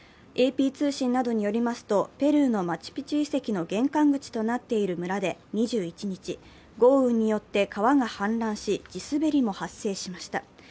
ＡＰ通信などによりますとペルーのマチュピチュ遺跡の玄関口となっている村で２１日、豪雨によって川が氾濫し、地滑りも発生しました。